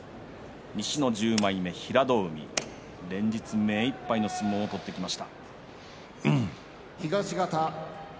西の１０枚目、平戸海連日、目いっぱいの相撲を取ってきました。